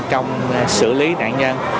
trong xử lý nạn nhân